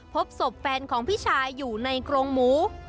พบศพแฟนของพี่ชายอยู่ในกรงหมู